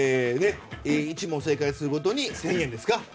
１問正解するごとに１０００円ですか。